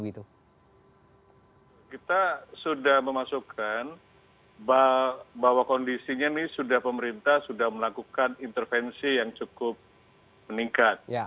kita sudah memasukkan bahwa kondisinya ini sudah pemerintah sudah melakukan intervensi yang cukup meningkat